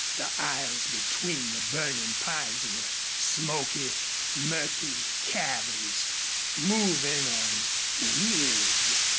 The aisles between the burning pines were smoky, murky caverns, moving and weird.